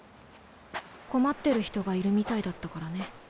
困ってる人がいるみたいだったからね。